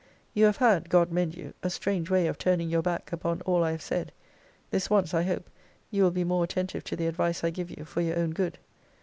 You have had [God mend you!] a strange way of turning your back upon all I have said: this once, I hope, you will be more attentive to the advice I give you for your own good.